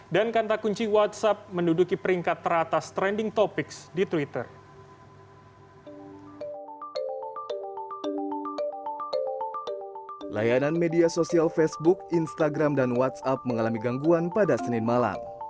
dan kanta kunci whatsapp menduduki peringkat teratas trending topics di twitter